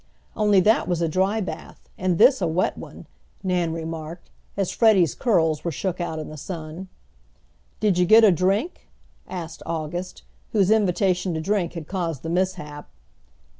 "Only that was a dry bath and this a wet one," Nan remarked, as Freddie's curls were shook out in the sun. "Did you get a drink?" asked August, whose invitation to drink had caused the mishap.